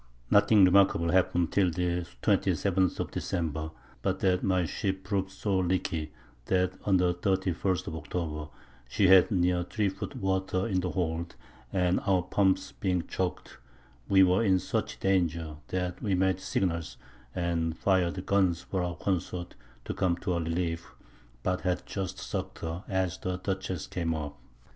Nothing remarkable happen'd till the 27th of December, but that my Ship prov'd so leaky, that on the 31st of October she had near 3 Foot Water in the Hold, and our Pumps being choak'd, we were in such Danger, that we made Signals, and fir'd Guns for our Consorts to come to our Relief, but had just suck'd her as the Dutchess came up.